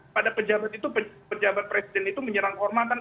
pada pejabat itu pejabat presiden itu menyerang kehormatan